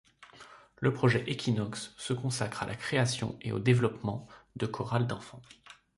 Le projet Equinox se consacre à la création et au développement de chorales d’enfants.